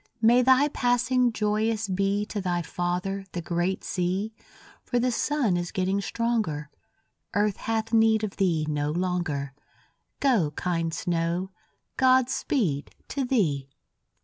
May thy passing joyous be To thy father, the great sea, For the sun is getting stronger; Earth hath need of thee no longer; Go, kind snow, God speed to thee!